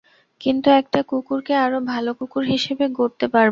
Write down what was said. কিন্তু একটা কুকুরকে আরো ভালো কুকুর হিসেবে গড়তে পারব।